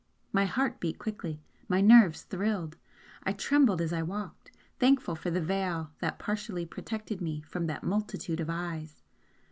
My heart beat quickly, my nerves thrilled I trembled as I walked, thankful for the veil that partially protected me from that multitude of eyes!